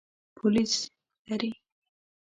پولیس لري.